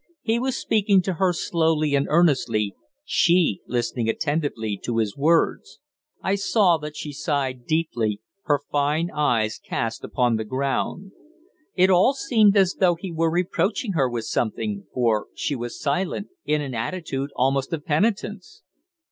He was speaking to her slowly and earnestly, she listening attentively to his words. I saw that she sighed deeply, her fine eyes cast upon the ground. It all seemed as though he were reproaching her with something, for she was silent, in an attitude almost of penitence.